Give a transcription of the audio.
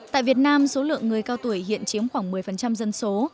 tại việt nam số lượng người cao tuổi hiện chiếm khoảng một mươi dân số